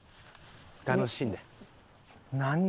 楽しんで。